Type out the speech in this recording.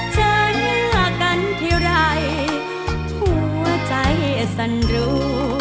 จะเลือกกันทีไรหัวใจสั่นรู้